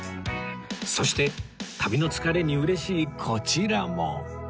そして旅の疲れに嬉しいこちらも